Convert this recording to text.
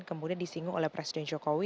kemudian disinggung oleh presiden jokowi